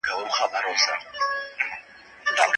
حضوري زده کړه زده کوونکي د عملي فعالیتونو تمرين کاوه.